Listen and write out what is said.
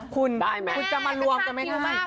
คุณว่ามันรวมจะไม่ได้